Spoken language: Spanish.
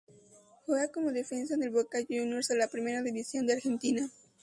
Juega como Defensa en el Boca Juniors de la Primera División de Argentina.